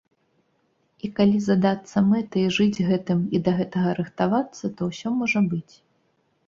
І калі задацца мэтай, жыць гэтым і да гэтага рыхтавацца, то ўсё можа быць.